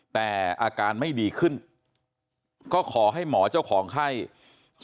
แต่อาการไม่ดีขึ้นก็ขอให้หมอเจ้าของไข้